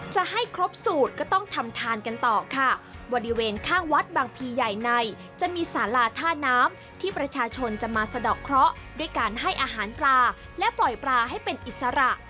จะให้ครบสูตรก็ต้องทำทานกันต่อค่ะบริเวณข้างวัดบางพีใหญ่ในจะมีสาราท่าน้ำที่ประชาชนจะมาสะดอกเคราะห์ด้วยการให้อาหารปลาและปล่อยปลาให้เป็นอิสระ